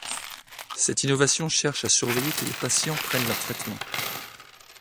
Cette innovation cherche à surveiller que les patients prennent leur traitement.